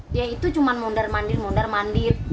dia itu cuma mondar mandir mondar mandir